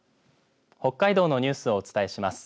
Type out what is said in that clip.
北海道のニュースをお伝えします。